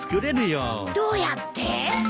どうやって？